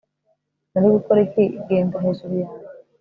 Nari gukora iki Genda hejuru yanjye